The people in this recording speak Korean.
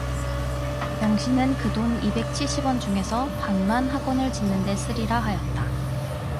영신은 그 돈 이백칠십 원 중에서 반만 학원을 짓는 데 쓰리라 하였다.